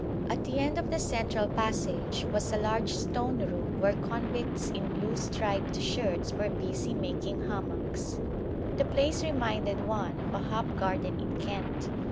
At the end of the central passage was a large stone room where convicts in blue striped shirts were busy making hammocks. The place reminded one of a hop garden in Kent.